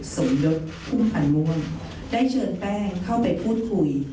สนุกผู้ผ่านมวลได้เชิญแป้งเข้าไปพูดคุย